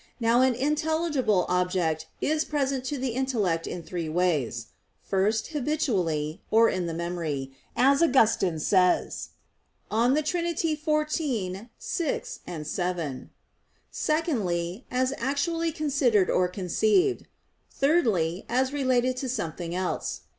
Now an intelligible object is present to the intellect in three ways; first, habitually, or in the memory, as Augustine says (De Trin. xiv, 6, 7); secondly, as actually considered or conceived; thirdly, as related to something else.